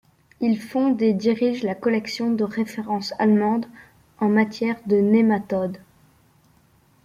Il fonde et dirige la collection de référence allemande en matière de nématodes.